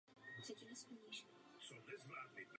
Ve skupině se vystřídalo již mnoho členů.